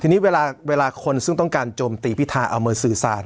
ทีนี้เวลาคนซึ่งต้องการโจมตีพิธาเอามาสื่อสาร